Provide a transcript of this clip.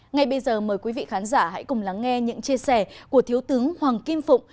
ngay bây giờ mời quý vị khán giả hãy cùng lắng nghe những chia sẻ của thiếu tướng hoàng kim phụng